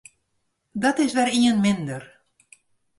Dat is wer ien minder.